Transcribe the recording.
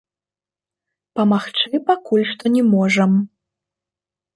Памагчы пакуль што не можам.